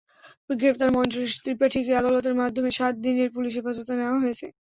গ্রেপ্তার মঞ্জরীশ ত্রিপাঠীকে আদালতের মাধ্যমে সাত দিনের পুলিশ হেফাজতে নেওয়া হয়েছে।